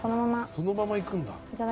そのままいくんだ。